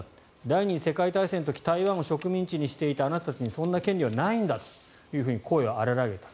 第２次世界大戦の時台湾を植民地にしていたあなたたちにそんな権利はないんだと声を荒らげた。